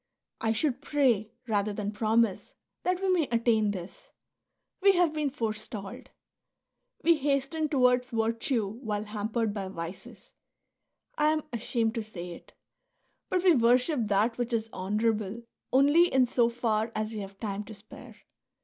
" I should pray, rather than promise, that we may attain this ; we have been forestalled. We hasten towards virtue while hampered by vices. I am ashamed to say it ; but we worship that which is honourable only in so far as we have time to spare."